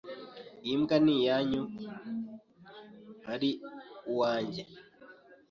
Iyi mbwa ni iyanyu. Ari uwanjye?